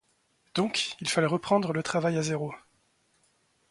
Donc, il fallait reprendre le travail à zéro.